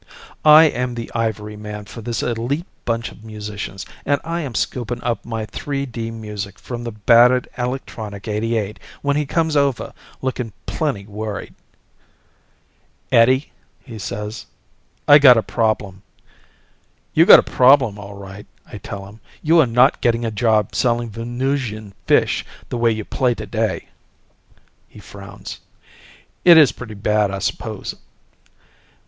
I am the ivory man for this elite bunch of musicians, and I am scooping up my three dee music from the battered electronic eighty eight when he comes over looking plenty worried. "Eddie," he says, "I got a problem." "You got a problem, all right," I tell him. "You are not getting a job selling Venusian fish, the way you play today." He frowns. "It is pretty bad, I suppose."